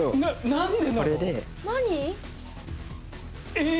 何で？